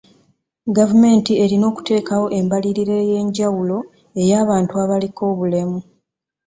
Gavumenti erina okuteekawo embalirira ey'enjawulo ey'abantu abaliko obulemu.